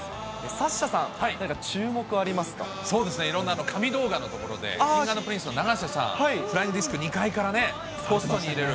サッシャさん、何か注目ありますそうですね、いろんな神動画のところで、Ｋｉｎｇ＆Ｐｒｉｎｃｅの永瀬さん、フライングディスク、２階からね、ポストに入れる。